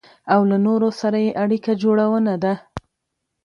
او له نورو سره يې اړيکه جوړونه ده.